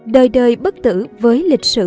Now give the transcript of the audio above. đời đời bất tử với lịch sử